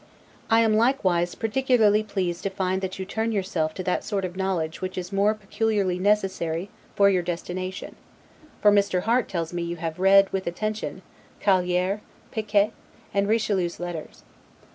I am likewise particularly pleased to find that you turn yourself to that sort of knowledge which is more peculiarly necessary for your destination: for Mr. Harte tells me you have read, with attention, Caillieres, Pequet, and Richelieu's "Letters."